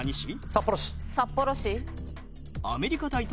札幌市。